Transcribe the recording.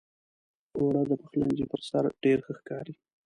اوړه د پخلنځي پر سر ډېر ښه ښکاري